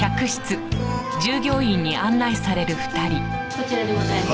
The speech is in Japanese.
こちらでございます。